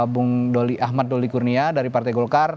bung ahmad dolly kurnia dari partai golkar